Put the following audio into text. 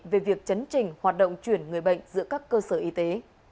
về việc chấn trình hoạt động chuyển người bệnh giữa các cơ sở y tế